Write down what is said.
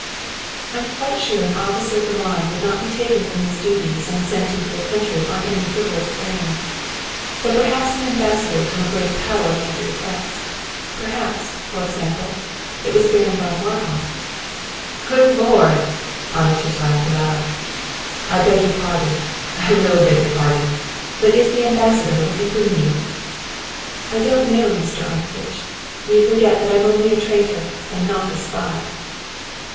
"I'm quite sure an officer of the line would not be taken from his duties and sent into the country on any frivolous errand. But perhaps an Ambassador from a great power made the request, perhaps, for example, it was Baron von Marhof." "Good Lord!" Armitage laughed aloud. "I beg your pardon! I really beg your pardon! But is the Ambassador looking for me?" "I don't know, Mr. Armitage. You forget that I'm only a traitor and not a spy."